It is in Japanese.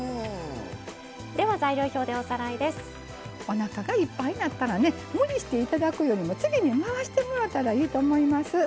おなかがいっぱいになったらね無理して頂くよりも次に回してもらったらいいと思います。